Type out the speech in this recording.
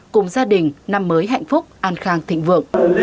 cùng gia đình năm mới hạnh phúc an khang thịnh vượng